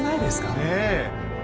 ねえ。